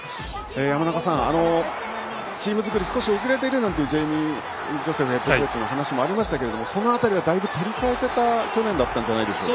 山中さん、チーム作りが少し遅れているというジェイミー・ジョセフヘッドコーチの話もありますがその辺り、だいぶ取り返せた去年だったんじゃないでしょうか。